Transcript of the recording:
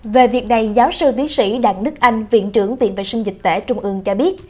về việc này giáo sư tiến sĩ đặng đức anh viện trưởng viện vệ sinh dịch tễ trung ương cho biết